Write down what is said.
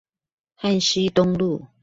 旱溪東路